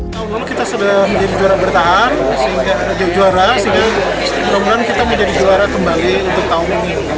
sejauh ini kita sudah menjadi juara bertahan sehingga sejauh ini kita menjadi juara kembali untuk tahun ini